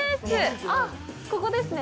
あっ、ここですね！